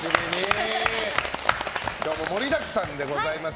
今日も盛りだくさんでございます。